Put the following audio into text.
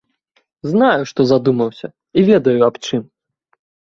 Знаю, што задумаўся, і ведаю, аб чым.